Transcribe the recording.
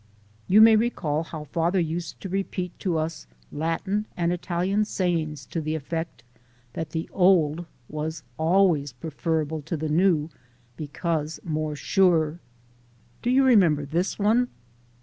You may recall how father used to repeat to us Latin and Italian sayings to the effect that the old was always preferable to the new because more sure. Do you remember this one?